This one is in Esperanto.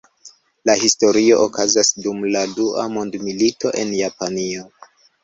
La historio okazas dum la dua mondmilito en Japanio.